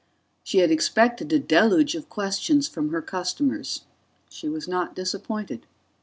She had expected a deluge of questions from her customers. She was not disappointed.